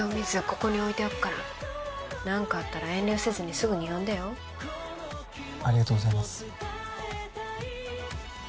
ここに置いておくから何かあったら遠慮せずにすぐに呼んでよありがとうございます